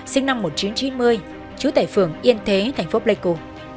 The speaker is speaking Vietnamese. sinh năm một nghìn chín trăm chín mươi trú tại phường yên thế thành phố pleiku